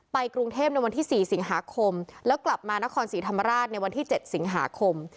กรุงเทพในวันที่๔สิงหาคมแล้วกลับมานครศรีธรรมราชในวันที่๗สิงหาคม